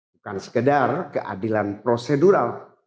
bukan sekedar keadilan prosedural